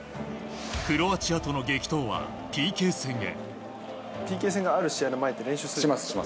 クロアチアとの激闘はＰＫ戦へ。